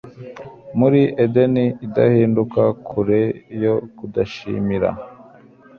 Muri Edeni idahinduka kure yo kudashimira